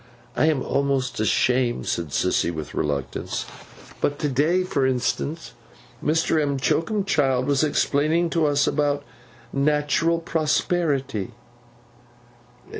'I am almost ashamed,' said Sissy, with reluctance. 'But to day, for instance, Mr. M'Choakumchild was explaining to us about Natural Prosperity.